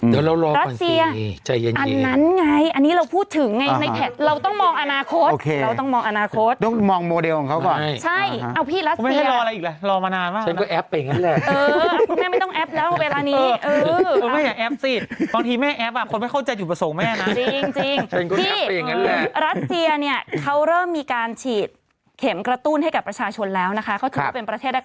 เดี๋ยวเรารอก่อนสิจ่ายน